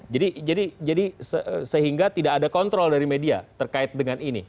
jadi sehingga tidak ada kontrol dari media terkait dengan ini